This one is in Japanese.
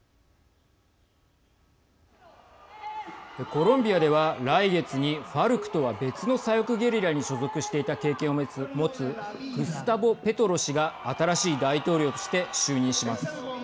コロンビアでは、来月にＦＡＲＣとは別の左翼ゲリラに所属していた経験を持つグスタボ・ペトロ氏が新しい大統領として就任します。